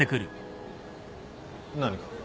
何か？